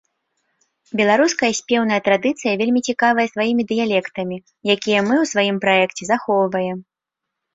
Беларуская спеўная традыцыя вельмі цікавая сваімі дыялектамі, якія мы ў сваім праекце захоўваем.